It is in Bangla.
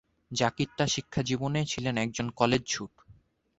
জাকির তার শিক্ষাজীবনে ছিলেন একজন কলেজ-ছুট।